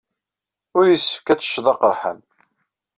Ur yessefk ad tecceḍ aqerḥan.